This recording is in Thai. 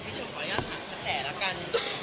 พี่ชมขออนุญาตถามแสลละกัน